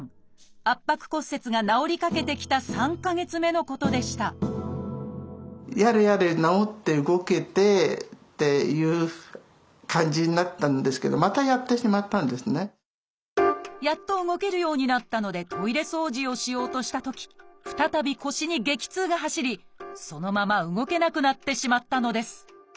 圧迫骨折が治りかけてきた３か月目のことでしたやっと動けるようになったのでトイレ掃除をしようとしたとき再び腰に激痛が走りそのまま動けなくなってしまったのです。